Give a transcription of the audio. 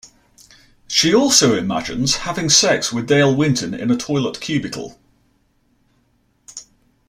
She also imagines having sex with Dale Winton in a toilet cubicle.